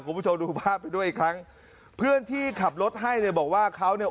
คุณผู้ชมดูภาพไปด้วยอีกครั้งเพื่อนที่ขับรถให้เนี่ยบอกว่าเขาเนี่ย